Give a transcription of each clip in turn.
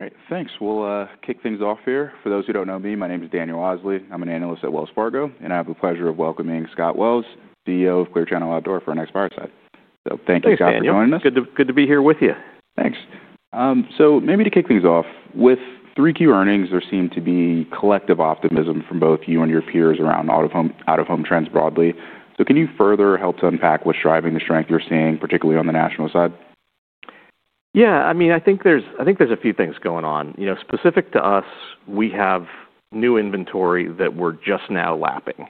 All right. Thanks. We'll kick things off here. For those who don't know me, my name is Daniel Osley. I'm an analyst at Wells Fargo, and I have the pleasure of welcoming Scott Wells, CEO of Clear Channel Outdoor for our next fireside. Thank you, Scott, for joining us. Thanks, man. Good to be here with you. Thanks. Maybe to kick things off, with three key earnings, there seem to be collective optimism from both you and your peers around out-of-home, out-of-home trends broadly. Can you further help to unpack what's driving the strength you're seeing, particularly on the national side? Yeah. I mean, I think there's a few things going on. You know, specific to us, we have new inventory that we're just now lapping.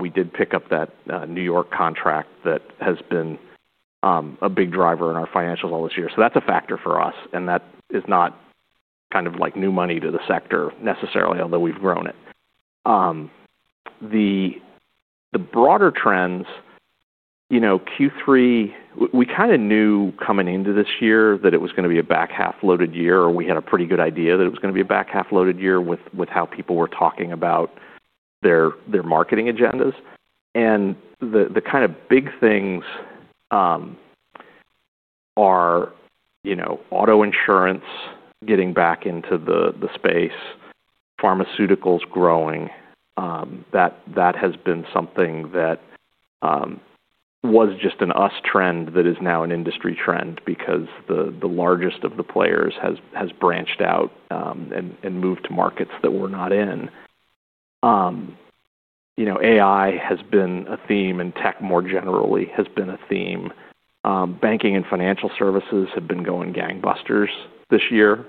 We did pick up that New York contract that has been a big driver in our financials all this year. That's a factor for us, and that is not kind of like new money to the sector necessarily, although we've grown it. The broader trends, you know, Q3, we kinda knew coming into this year that it was gonna be a back-half-loaded year, or we had a pretty good idea that it was gonna be a back-half-loaded year with how people were talking about their marketing agendas. The kinda big things are, you know, auto insurance getting back into the space, pharmaceuticals growing. That has been something that was just a 'us' trend that is now an industry trend because the largest of the players has branched out and moved to markets that we're not in. You know, AI has been a theme, and tech more generally has been a theme. Banking and financial services have been going gangbusters this year.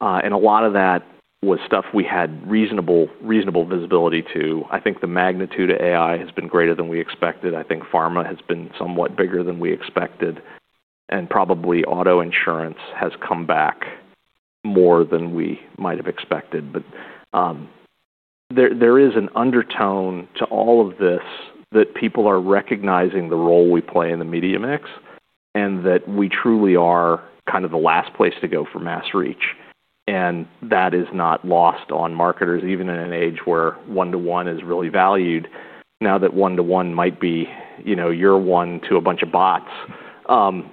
A lot of that was stuff we had reasonable visibility to. I think the magnitude of AI has been greater than we expected. I think pharma has been somewhat bigger than we expected, and probably auto insurance has come back more than we might have expected. There is an undertone to all of this that people are recognizing the role we play in the media mix and that we truly are kind of the last place to go for mass reach. That is not lost on marketers, even in an age where one-to-one is really valued. Now that one-to-one might be, you know, your one to a bunch of bots,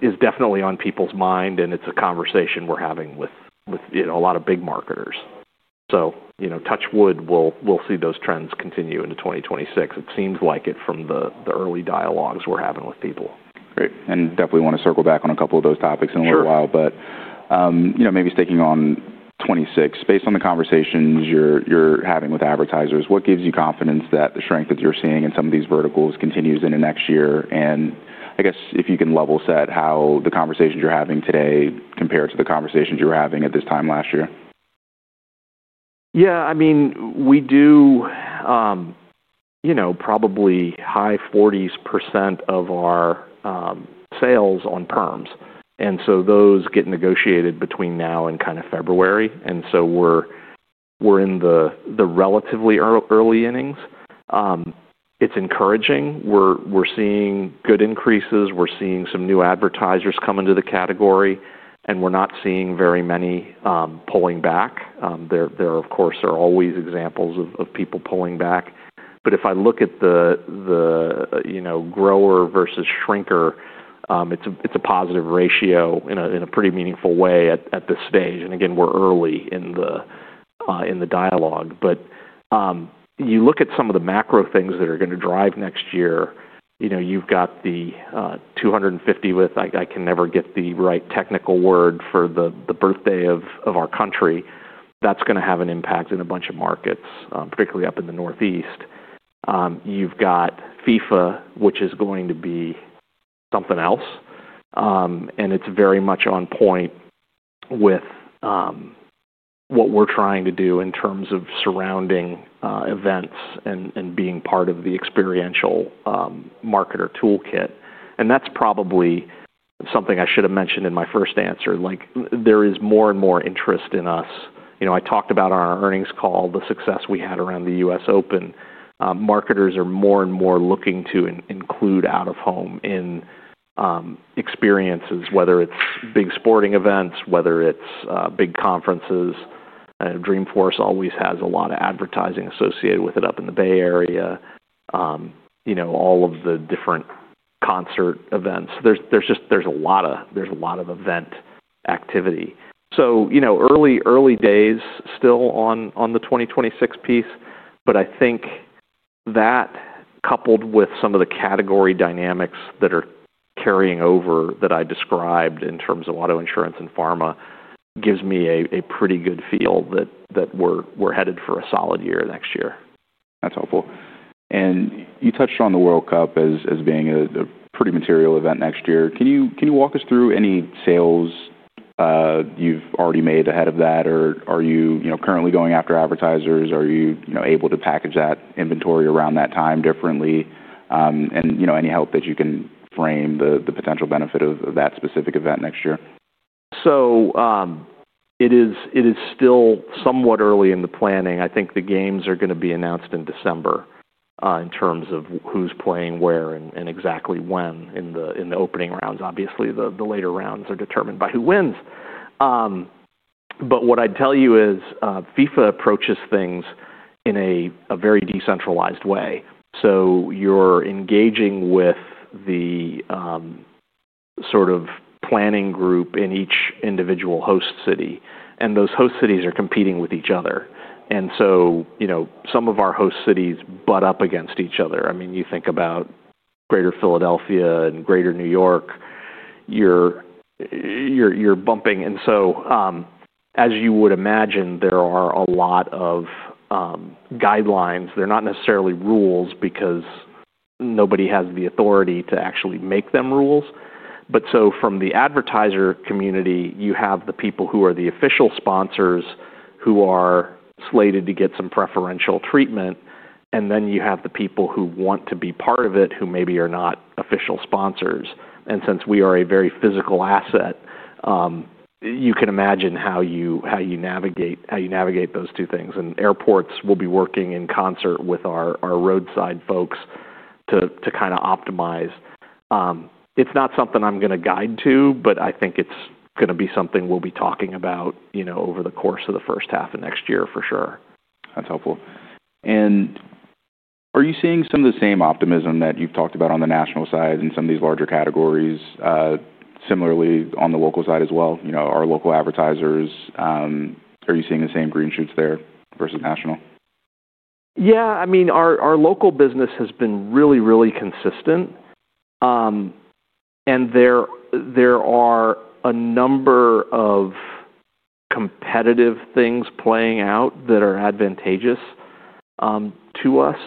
is definitely on people's mind, and it's a conversation we're having with, with, you know, a lot of big marketers. You know, touch wood, we'll, we'll see those trends continue into 2026. It seems like it from the, the early dialogues we're having with people. Great. I definitely wanna circle back on a couple of those topics in a little while. Sure. You know, maybe sticking on '26, based on the conversations you're having with advertisers, what gives you confidence that the strength that you're seeing in some of these verticals continues into next year? I guess if you can level set how the conversations you're having today compare to the conversations you were having at this time last year? Yeah. I mean, we do, you know, probably high 40% of our sales on perms. And so those get negotiated between now and kinda February. We're in the relatively early innings. It's encouraging. We're seeing good increases. We're seeing some new advertisers come into the category, and we're not seeing very many pulling back. There, of course, are always examples of people pulling back. If I look at the grower versus shrinker, it's a positive ratio in a pretty meaningful way at this stage. Again, we're early in the dialogue. You look at some of the macro things that are gonna drive next year, you know, you've got the 250 with I can never get the right technical word for the birthday of our country. That's gonna have an impact in a bunch of markets, particularly up in the Northeast. You've got FIFA, which is going to be something else. It's very much on point with what we're trying to do in terms of surrounding events and being part of the experiential marketer toolkit. That's probably something I should have mentioned in my first answer. There is more and more interest in us. You know, I talked about on our earnings call the success we had around the US Open. Marketers are more and more looking to in-include out-of-home in experiences, whether it's big sporting events, whether it's big conferences. Dreamforce always has a lot of advertising associated with it up in the Bay Area. You know, all of the different concert events. There's just a lot of event activity. You know, early, early days still on the 2026 piece. But I think that, coupled with some of the category dynamics that are carrying over that I described in terms of auto insurance and pharma, gives me a pretty good feel that we're headed for a solid year next year. That's helpful. You touched on the World Cup as being a pretty material event next year. Can you walk us through any sales you've already made ahead of that, or are you currently going after advertisers? Are you able to package that inventory around that time differently? Any help that you can frame the potential benefit of that specific event next year? It is still somewhat early in the planning. I think the games are gonna be announced in December, in terms of who's playing where and exactly when in the opening rounds. Obviously, the later rounds are determined by who wins. What I'd tell you is, FIFA approaches things in a very decentralized way. You're engaging with the sort of planning group in each individual host city. Those host cities are competing with each other. You know, some of our host cities butt up against each other. I mean, you think about Greater Philadelphia and Greater New York, you're bumping. As you would imagine, there are a lot of guidelines. They're not necessarily rules because nobody has the authority to actually make them rules. From the advertiser community, you have the people who are the official sponsors who are slated to get some preferential treatment, and then you have the people who want to be part of it who maybe are not official sponsors. Since we are a very physical asset, you can imagine how you navigate those two things. Airports will be working in concert with our roadside folks to kind of optimize. It's not something I'm gonna guide to, but I think it's gonna be something we'll be talking about, you know, over the course of the first half of next year for sure. That's helpful. Are you seeing some of the same optimism that you've talked about on the national side in some of these larger categories, similarly on the local side as well? You know, are local advertisers, are you seeing the same green shoots there versus national? Yeah. I mean, our local business has been really, really consistent, and there are a number of competitive things playing out that are advantageous to us.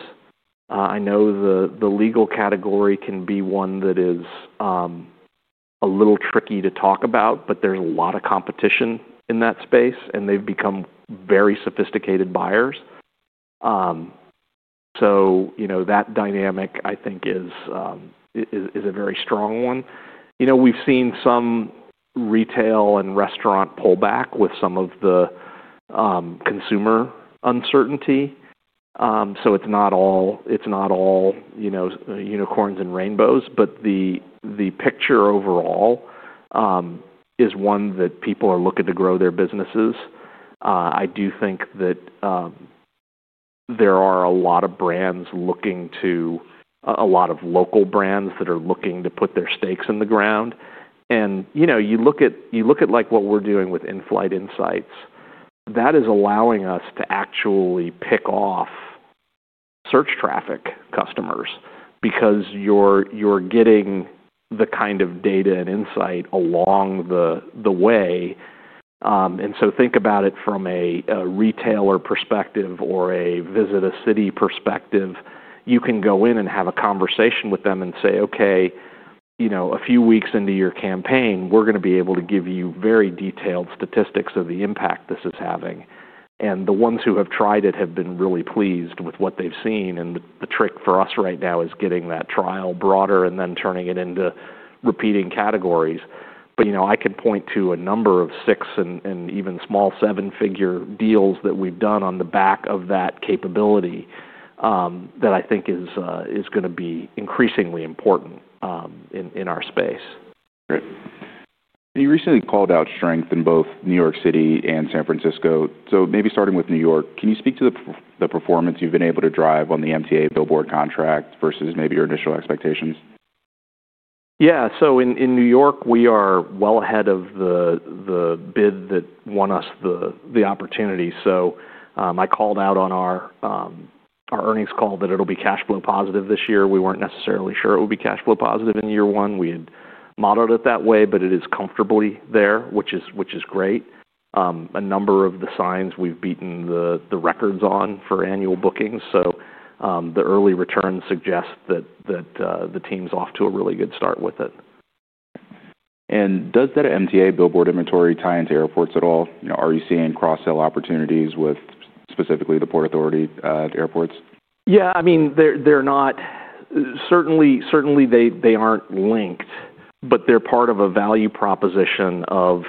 I know the legal category can be one that is a little tricky to talk about, but there's a lot of competition in that space, and they've become very sophisticated buyers. You know, that dynamic, I think, is a very strong one. You know, we've seen some retail and restaurant pullback with some of the consumer uncertainty. It's not all, you know, unicorns and rainbows, but the picture overall is one that people are looking to grow their businesses. I do think that there are a lot of brands looking to, a lot of local brands that are looking to put their stakes in the ground. You know, you look at, like, what we're doing with InFlight Insights. That is allowing us to actually pick off search traffic customers because you're getting the kind of data and insight along the way. Think about it from a retailer perspective or a visit-a-city perspective. You can go in and have a conversation with them and say, "Okay, you know, a few weeks into your campaign, we're gonna be able to give you very detailed statistics of the impact this is having." The ones who have tried it have been really pleased with what they've seen. The trick for us right now is getting that trial broader and then turning it into repeating categories. You know, I could point to a number of six- and even small seven-figure deals that we've done on the back of that capability, that I think is gonna be increasingly important in our space. Great. You recently called out strength in both New York City and San Francisco. Maybe starting with New York, can you speak to the performance you've been able to drive on the MTA billboard contract versus maybe your initial expectations? Yeah. In New York, we are well ahead of the bid that won us the opportunity. I called out on our earnings call that it'll be cash flow positive this year. We weren't necessarily sure it would be cash flow positive in year one. We had modeled it that way, but it is comfortably there, which is great. A number of the signs we've beaten the records on for annual bookings. The early returns suggest that the team's off to a really good start with it. Does that MTA billboard inventory tie into airports at all? You know, are you seeing cross-sale opportunities with specifically the Port Authority, airports? Yeah. I mean, they're not, certainly, certainly they aren't linked, but they're part of a value proposition of,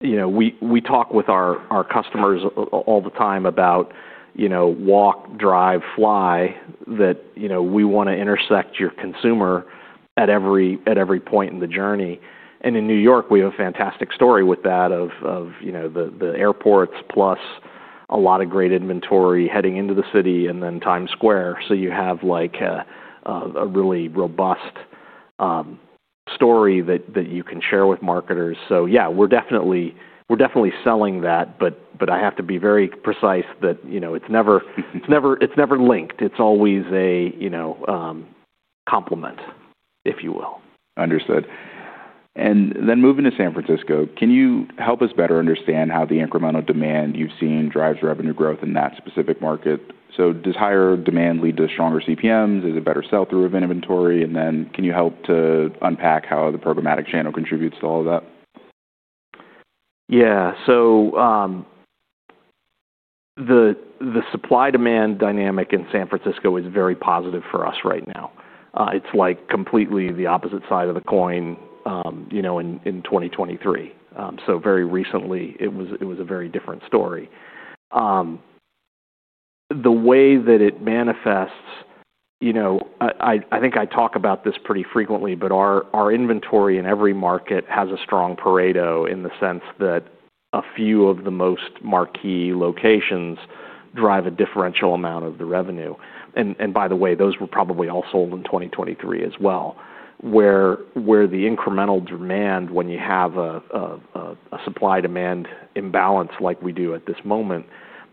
you know, we talk with our customers all the time about, you know, walk, drive, fly, that, you know, we wanna intersect your consumer at every point in the journey. In New York, we have a fantastic story with that of, you know, the airports plus a lot of great inventory heading into the city and then Times Square. You have, like, a really robust story that you can share with marketers. Yeah, we're definitely selling that. I have to be very precise that, you know, it's never linked. It's always a, you know, complement, if you will. Understood. Then moving to San Francisco, can you help us better understand how the incremental demand you've seen drives revenue growth in that specific market? Does higher demand lead to stronger CPMs? Is it better sell-through of inventory? Can you help to unpack how the programmatic channel contributes to all of that? Yeah. The supply-demand dynamic in San Francisco is very positive for us right now. It's like completely the opposite side of the coin, you know, in 2023. Very recently, it was a very different story. The way that it manifests, you know, I think I talk about this pretty frequently, but our inventory in every market has a strong Pareto in the sense that a few of the most marquee locations drive a differential amount of the revenue. By the way, those were probably all sold in 2023 as well, where the incremental demand, when you have a supply-demand imbalance like we do at this moment,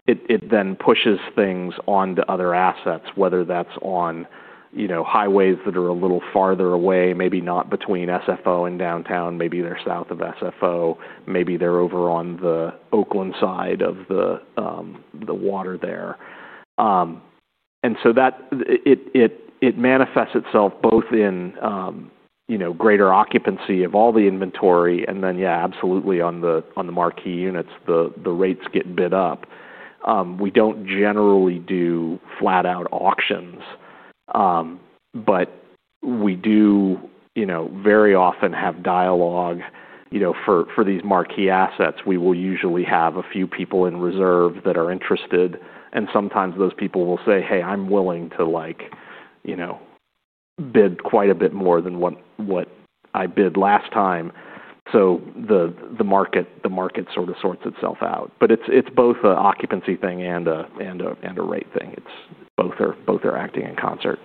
it then pushes things onto other assets, whether that's on, you know, highways that are a little farther away, maybe not between SFO and downtown, maybe they're south of SFO, maybe they're over on the Oakland side of the water there. And so it manifests itself both in, you know, greater occupancy of all the inventory and then, yeah, absolutely on the marquee units, the rates get bid up. We do not generally do flat-out auctions, but we do, you know, very often have dialogue. You know, for these marquee assets, we will usually have a few people in reserve that are interested. Sometimes those people will say, "Hey, I'm willing to, like, you know, bid quite a bit more than what I bid last time." The market sort of sorts itself out. It is both an occupancy thing and a rate thing. Both are acting in concert.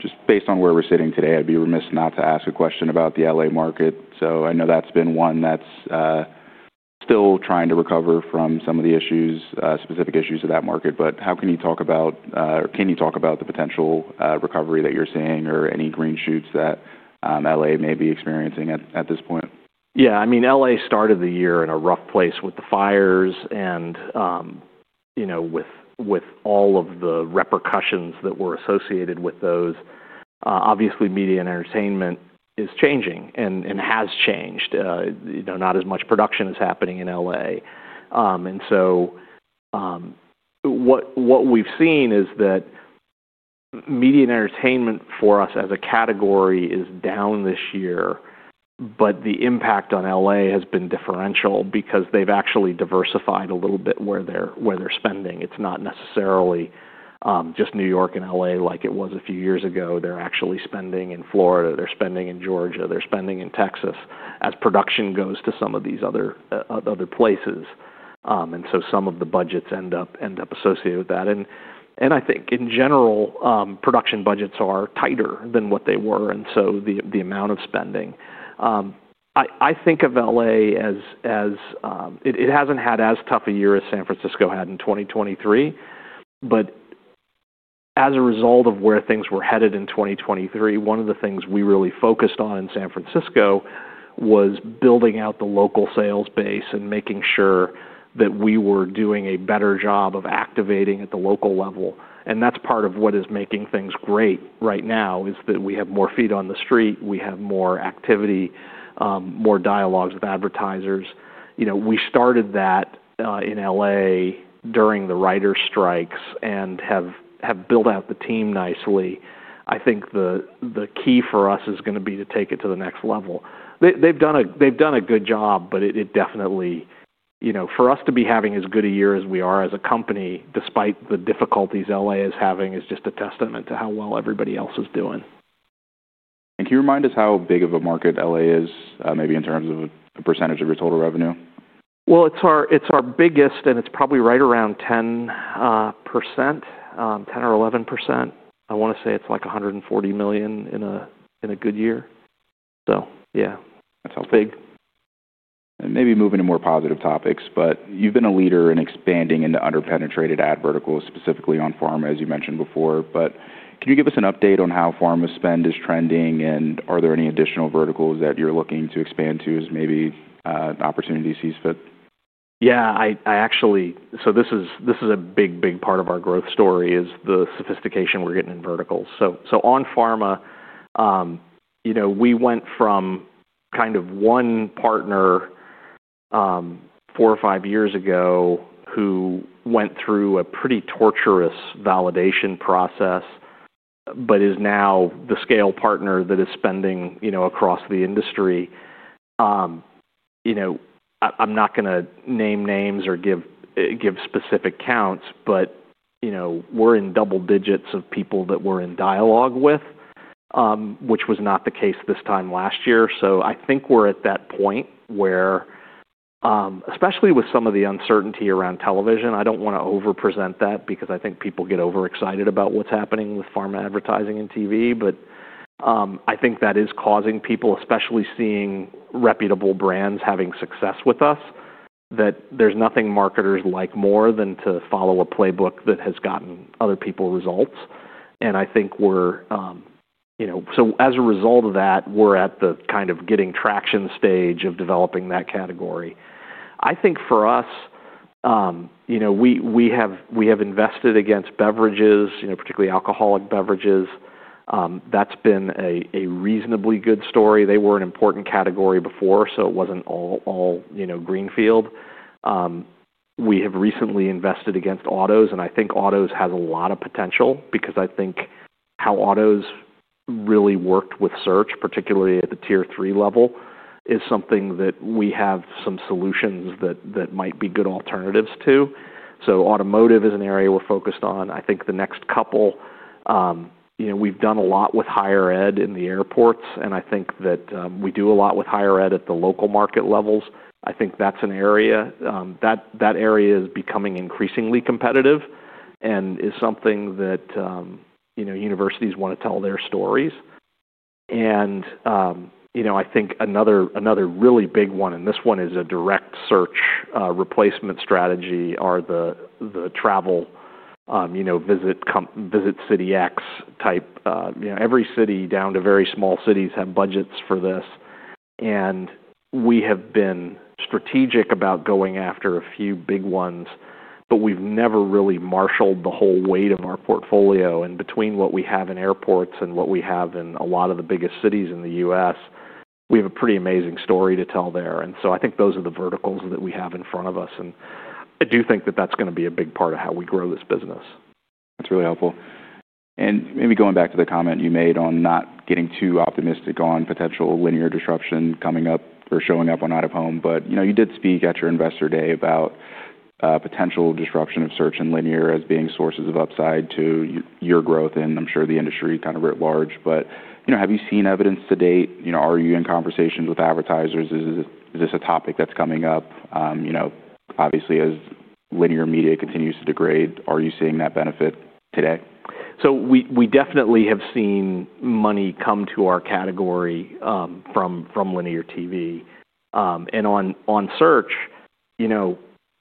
Just based on where we're sitting today, I'd be remiss not to ask a question about the LA market. I know that's been one that's still trying to recover from some of the issues, specific issues of that market. How can you talk about, or can you talk about the potential recovery that you're seeing or any green shoots that LA may be experiencing at this point? Yeah. I mean, LA started the year in a rough place with the fires and, you know, with all of the repercussions that were associated with those. Obviously, media and entertainment is changing and, and has changed. You know, not as much production is happening in LA. And so, what we've seen is that media and entertainment for us as a category is down this year, but the impact on LA has been differential because they've actually diversified a little bit where they're spending. It's not necessarily just New York and LA like it was a few years ago. They're actually spending in Florida. They're spending in Georgia. They're spending in Texas as production goes to some of these other places. And so some of the budgets end up associated with that. I think in general, production budgets are tighter than what they were. The amount of spending, I think of LA as, it has not had as tough a year as San Francisco had in 2023. As a result of where things were headed in 2023, one of the things we really focused on in San Francisco was building out the local sales base and making sure that we were doing a better job of activating at the local level. That is part of what is making things great right now is that we have more feet on the street. We have more activity, more dialogues with advertisers. You know, we started that in LA during the writer's strikes and have built out the team nicely. I think the key for us is gonna be to take it to the next level. They've done a good job, but it definitely, you know, for us to be having as good a year as we are as a company, despite the difficulties LA is having, is just a testament to how well everybody else is doing. Can you remind us how big of a market LA is, maybe in terms of a percentage of your total revenue? It's our biggest, and it's probably right around 10%, 10% or 11%. I wanna say it's like $140 million in a good year. So, yeah. That's helpful. It's big. Maybe moving to more positive topics, but you've been a leader in expanding into underpenetrated ad verticals, specifically on pharma, as you mentioned before. Can you give us an update on how pharma spend is trending, and are there any additional verticals that you're looking to expand to as maybe, opportunity sees fit? Yeah. I actually, so this is a big, big part of our growth story is the sophistication we're getting in verticals. So on pharma, you know, we went from kind of one partner four or five years ago who went through a pretty torturous validation process but is now the scale partner that is spending, you know, across the industry. You know, I-I'm not gonna name names or give specific counts, but, you know, we're in double digits of people that we're in dialogue with, which was not the case this time last year. I think we're at that point where, especially with some of the uncertainty around television, I do not want to overpresent that because I think people get overexcited about what's happening with pharma advertising and TV. I think that is causing people, especially seeing reputable brands having success with us, that there's nothing marketers like more than to follow a playbook that has gotten other people results. I think we're, you know, so as a result of that, we're at the kind of getting traction stage of developing that category. I think for us, you know, we have invested against beverages, you know, particularly alcoholic beverages. That's been a reasonably good story. They were an important category before, so it wasn't all, all, you know, greenfield. We have recently invested against autos, and I think autos has a lot of potential because I think how autos really worked with search, particularly at the tier three level, is something that we have some solutions that might be good alternatives to. So automotive is an area we're focused on. I think the next couple, you know, we've done a lot with higher ed in the airports, and I think that we do a lot with higher ed at the local market levels. I think that area is becoming increasingly competitive and is something that, you know, universities wanna tell their stories. You know, I think another really big one, and this one is a direct search, replacement strategy, are the travel, you know, visit com, visit city X type, you know, every city down to very small cities have budgets for this. We have been strategic about going after a few big ones, but we've never really marshaled the whole weight of our portfolio. Between what we have in airports and what we have in a lot of the biggest cities in the U.S., we have a pretty amazing story to tell there. I think those are the verticals that we have in front of us. I do think that that's gonna be a big part of how we grow this business. That's really helpful. Maybe going back to the comment you made on not getting too optimistic on potential linear disruption coming up or showing up on out-of-home. You did speak at your investor day about potential disruption of search and linear as being sources of upside to your growth and, I'm sure, the industry kind of writ large. Have you seen evidence to date? Are you in conversations with advertisers? Is this a topic that's coming up? You know, obviously, as linear media continues to degrade, are you seeing that benefit today? We definitely have seen money come to our category from linear TV. On search, you know,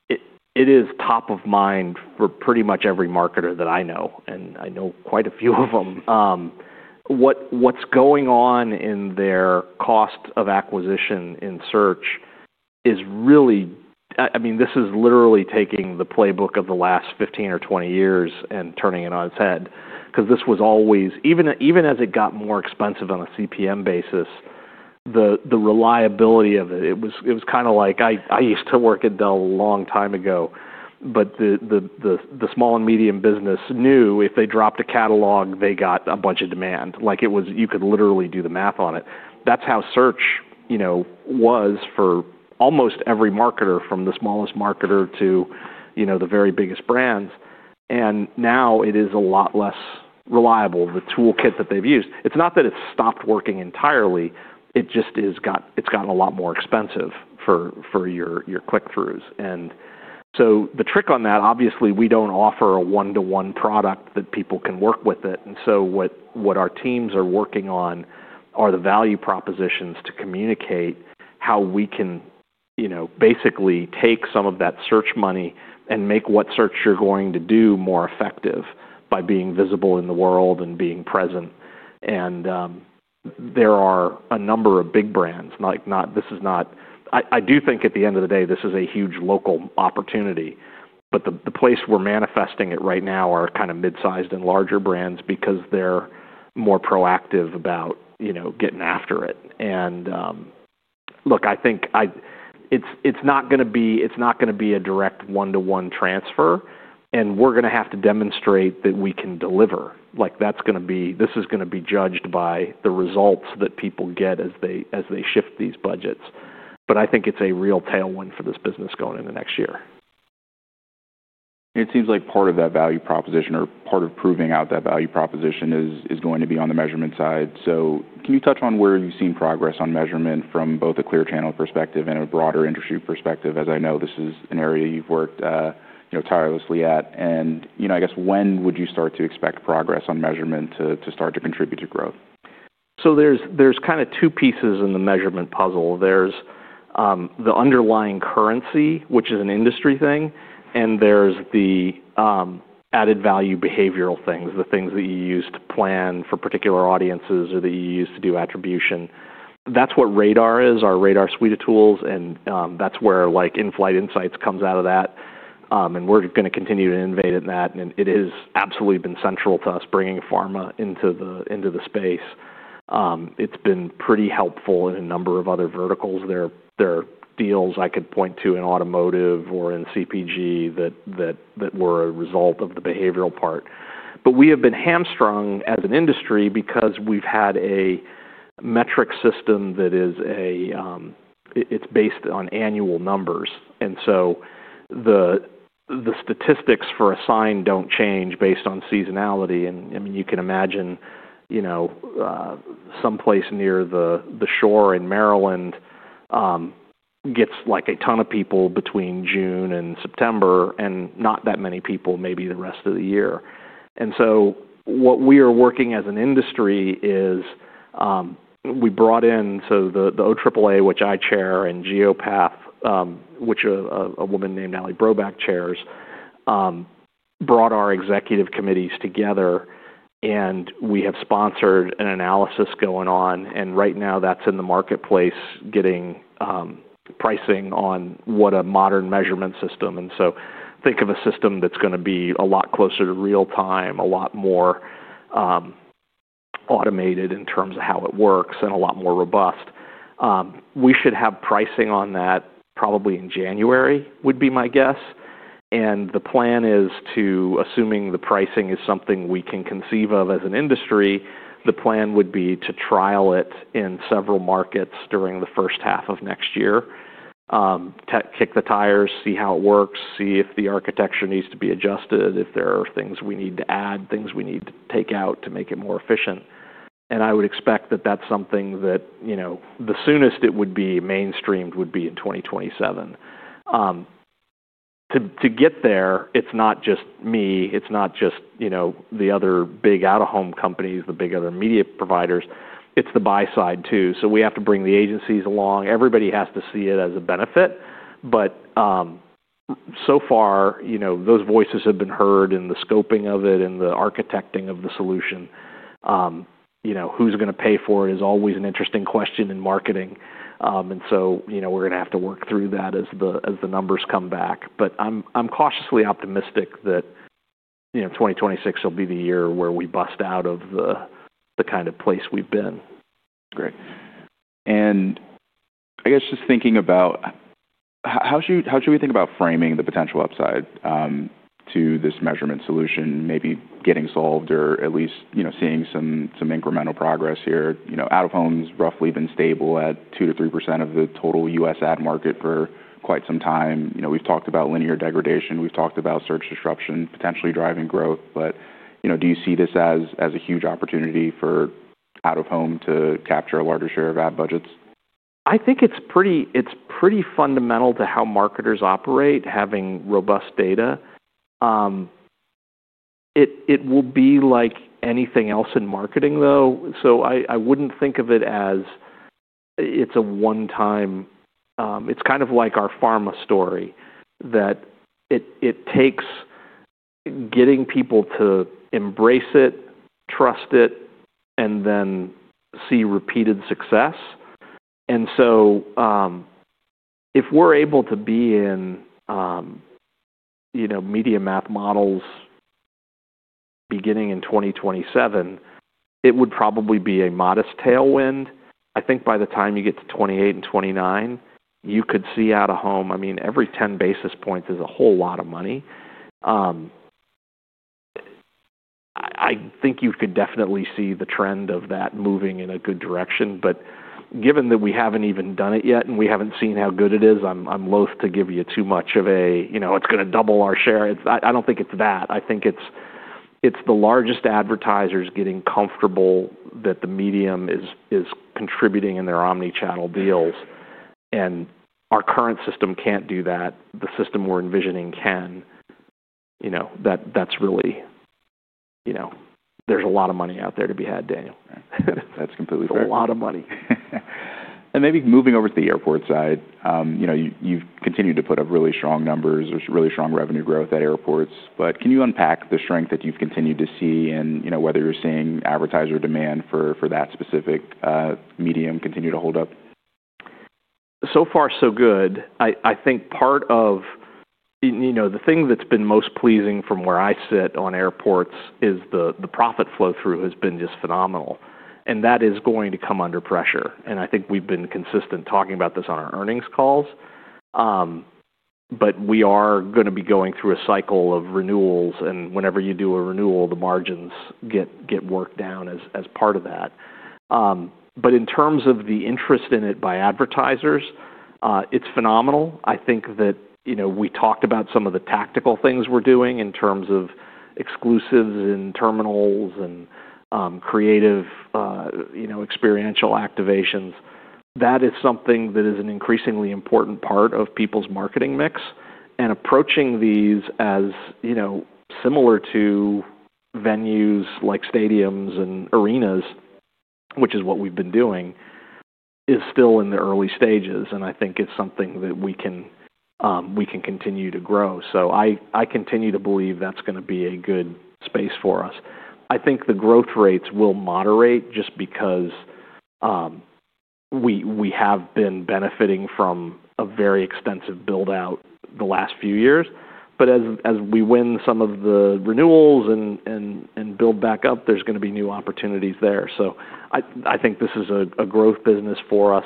it is top of mind for pretty much every marketer that I know, and I know quite a few of them. What's going on in their cost of acquisition in search is really, I mean, this is literally taking the playbook of the last 15 or 20 years and turning it on its head 'cause this was always, even as it got more expensive on a CPM basis, the reliability of it, it was kind of like, I used to work at Dell a long time ago, but the small and medium business knew if they dropped a catalog, they got a bunch of demand. Like, you could literally do the math on it. That's how search, you know, was for almost every marketer from the smallest marketer to, you know, the very biggest brands. Now it is a lot less reliable, the toolkit that they've used. It's not that it's stopped working entirely. It just has gotten a lot more expensive for your click-throughs. The trick on that, obviously, we don't offer a one-to-one product that people can work with. What our teams are working on are the value propositions to communicate how we can, you know, basically take some of that search money and make what search you're going to do more effective by being visible in the world and being present. There are a number of big brands. I do think at the end of the day, this is a huge local opportunity. The place we're manifesting it right now are kinda mid-sized and larger brands because they're more proactive about, you know, getting after it. Look, I think it's not gonna be a direct one-to-one transfer, and we're gonna have to demonstrate that we can deliver. Like, this is gonna be judged by the results that people get as they shift these budgets. I think it's a real tailwind for this business going into next year. It seems like part of that value proposition or part of proving out that value proposition is going to be on the measurement side. Can you touch on where you've seen progress on measurement from both a Clear Channel perspective and a broader industry perspective? As I know, this is an area you've worked, you know, tirelessly at. And, you know, I guess when would you start to expect progress on measurement to start to contribute to growth? There is kinda two pieces in the measurement puzzle. There is the underlying currency, which is an industry thing, and there is the added value behavioral things, the things that you use to plan for particular audiences or that you use to do attribution. That is what Radar is, our Radar suite of tools. That is where, like, InFlight Insights comes out of that. We are gonna continue to innovate in that. It has absolutely been central to us bringing pharma into the space. It has been pretty helpful in a number of other verticals. There are deals I could point to in automotive or in CPG that were a result of the behavioral part. We have been hamstrung as an industry because we have had a metric system that is based on annual numbers. The statistics for a sign do not change based on seasonality. I mean, you can imagine, you know, someplace near the shore in Maryland gets, like, a ton of people between June and September and not that many people maybe the rest of the year. What we are working as an industry is, we brought in the OAAA, which I chair, and GeoPath, which a woman named Natalie Brobeck chairs, brought our executive committees together, and we have sponsored an analysis going on. Right now, that is in the marketplace getting pricing on what a modern measurement system is. Think of a system that is going to be a lot closer to real time, a lot more automated in terms of how it works, and a lot more robust. We should have pricing on that probably in January, would be my guess. The plan is to, assuming the pricing is something we can conceive of as an industry, the plan would be to trial it in several markets during the first half of next year, to kick the tires, see how it works, see if the architecture needs to be adjusted, if there are things we need to add, things we need to take out to make it more efficient. I would expect that that's something that, you know, the soonest it would be mainstreamed would be in 2027. To get there, it's not just me. It's not just, you know, the other big out-of-home companies, the big other media providers. It's the buy-side too. We have to bring the agencies along. Everybody has to see it as a benefit. So far, you know, those voices have been heard in the scoping of it and the architecting of the solution. You know, who's gonna pay for it is always an interesting question in marketing, and so, you know, we're gonna have to work through that as the numbers come back. I'm cautiously optimistic that, you know, 2026 will be the year where we bust out of the kind of place we've been. That's great. I guess just thinking about how should we think about framing the potential upside to this measurement solution maybe getting solved or at least, you know, seeing some incremental progress here? You know, out-of-home's roughly been stable at 2-3% of the total US ad market for quite some time. You know, we've talked about linear degradation. We've talked about search disruption potentially driving growth. You know, do you see this as a huge opportunity for out-of-home to capture a larger share of ad budgets? I think it's pretty fundamental to how marketers operate, having robust data. It will be like anything else in marketing, though. I wouldn't think of it as it's a one-time, it's kind of like our pharma story that it takes getting people to embrace it, trust it, and then see repeated success. If we're able to be in, you know, media math models beginning in 2027, it would probably be a modest tailwind. I think by the time you get to 2028 and 2029, you could see out-of-home, I mean, every 10 basis points is a whole lot of money. I think you could definitely see the trend of that moving in a good direction. Given that we haven't even done it yet and we haven't seen how good it is, I'm loath to give you too much of a, you know, it's gonna double our share. I don't think it's that. I think it's the largest advertisers getting comfortable that the medium is contributing in their omnichannel deals. Our current system can't do that. The system we're envisioning can. You know, there's a lot of money out there to be had, Daniel. That's completely fair. A lot of money. Maybe moving over to the airport side, you know, you've continued to put up really strong numbers or really strong revenue growth at airports. Can you unpack the strength that you've continued to see and, you know, whether you're seeing advertiser demand for that specific medium continue to hold up? So far, so good. I think part of, you know, the thing that's been most pleasing from where I sit on airports is the profit flow through has been just phenomenal. That is going to come under pressure. I think we've been consistent talking about this on our earnings calls. We are gonna be going through a cycle of renewals. Whenever you do a renewal, the margins get worked down as part of that. In terms of the interest in it by advertisers, it's phenomenal. I think that, you know, we talked about some of the tactical things we're doing in terms of exclusives and terminals and creative, you know, experiential activations. That is something that is an increasingly important part of people's marketing mix. Approaching these as, you know, similar to venues like stadiums and arenas, which is what we've been doing, is still in the early stages. I think it's something that we can continue to grow. I continue to believe that's gonna be a good space for us. I think the growth rates will moderate just because we have been benefiting from a very extensive build-out the last few years. As we win some of the renewals and build back up, there's gonna be new opportunities there. I think this is a growth business for us.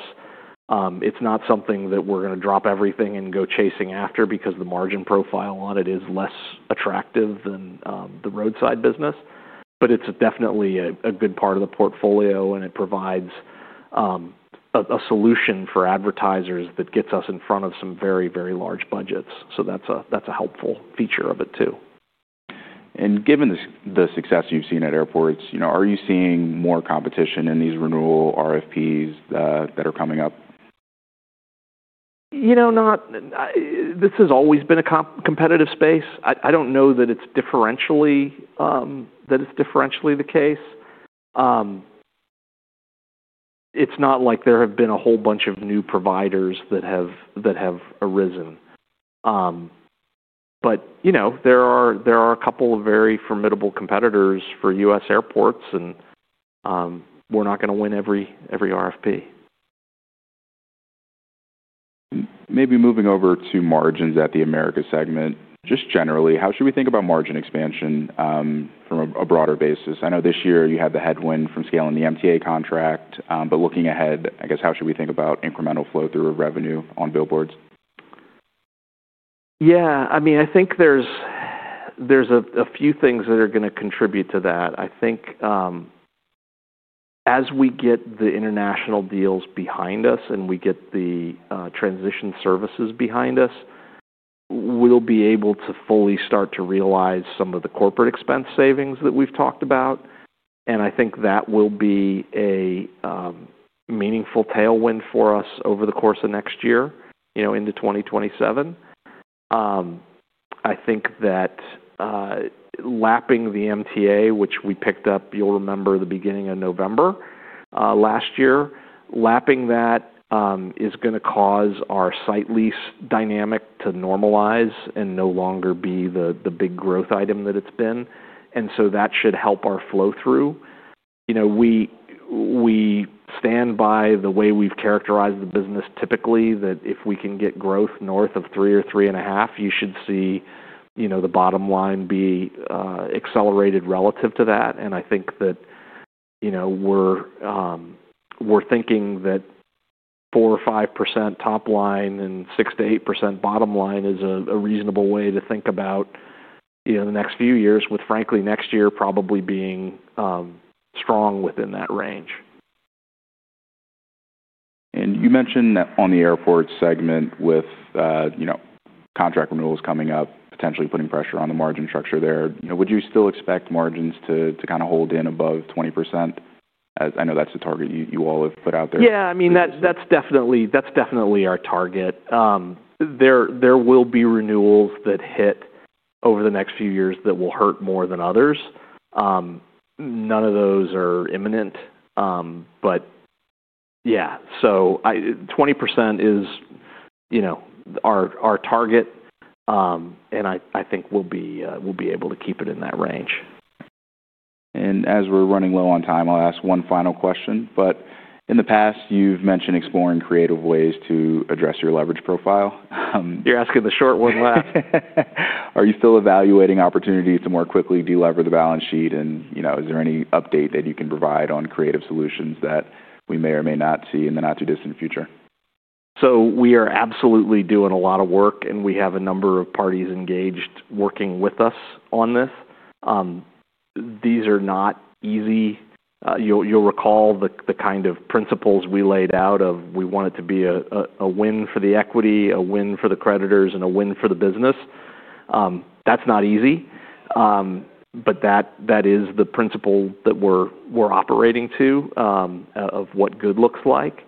It's not something that we're gonna drop everything and go chasing after because the margin profile on it is less attractive than the roadside business. It's definitely a good part of the portfolio, and it provides a solution for advertisers that gets us in front of some very, very large budgets. That's a helpful feature of it too. Given the success you've seen at airports, you know, are you seeing more competition in these renewal RFPs that are coming up? You know, this has always been a co-competitive space. I don't know that it's differentially the case. It's not like there have been a whole bunch of new providers that have arisen. But, you know, there are a couple of very formidable competitors for US airports, and we're not gonna win every RFP. Maybe moving over to margins at the America segment, just generally, how should we think about margin expansion, from a broader basis? I know this year you had the headwind from scaling the MTA contract. Looking ahead, I guess, how should we think about incremental flow through of revenue on billboards? Yeah. I mean, I think there's a few things that are gonna contribute to that. I think, as we get the international deals behind us and we get the transition services behind us, we'll be able to fully start to realize some of the corporate expense savings that we've talked about. I think that will be a meaningful tailwind for us over the course of next year, you know, into 2027. I think that lapping the MTA, which we picked up, you'll remember, the beginning of November last year, lapping that, is gonna cause our site lease dynamic to normalize and no longer be the big growth item that it's been. That should help our flow through. You know, we stand by the way we've characterized the business typically that if we can get growth north of 3 or 3.5, you should see, you know, the bottom line be accelerated relative to that. I think that, you know, we're thinking that 4-5% top line and 6-8% bottom line is a reasonable way to think about, you know, the next few years, with, frankly, next year probably being strong within that range. You mentioned that on the airports segment with, you know, contract renewals coming up, potentially putting pressure on the margin structure there. You know, would you still expect margins to, to kinda hold in above 20%? As I know that's the target you, you all have put out there? Yeah. I mean, that's definitely our target. There will be renewals that hit over the next few years that will hurt more than others. None of those are imminent. But yeah. 20% is, you know, our target. And I think we'll be able to keep it in that range. As we're running low on time, I'll ask one final question. In the past, you've mentioned exploring creative ways to address your leverage profile. You're asking the short one last. Are you still evaluating opportunity to more quickly delever the balance sheet? You know, is there any update that you can provide on creative solutions that we may or may not see in the not-too-distant future? We are absolutely doing a lot of work, and we have a number of parties engaged working with us on this. These are not easy. You'll recall the kind of principles we laid out of we want it to be a win for the equity, a win for the creditors, and a win for the business. That's not easy. That is the principle that we're operating to, of what good looks like.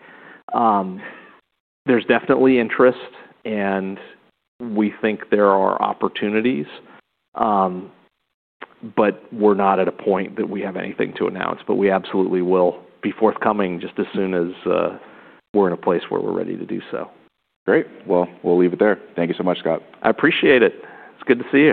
There's definitely interest, and we think there are opportunities. We're not at a point that we have anything to announce. We absolutely will be forthcoming just as soon as we're in a place where we're ready to do so. Great. We'll leave it there. Thank you so much, Scott. I appreciate it. It's good to see you.